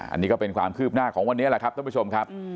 อันนี้ก็เป็นความคืบหน้าของวันนี้แหละครับท่านผู้ชมครับ